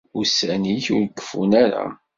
Ussan-ik ur keffun ara.